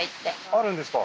あるんですか？